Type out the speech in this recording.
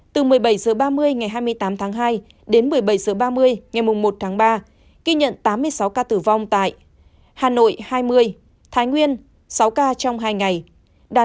từ một mươi bảy h ba mươi ngày hai mươi ba h bệnh nhân được công bố khỏi bệnh trong ngày bốn mươi chín trăm ba mươi hai ca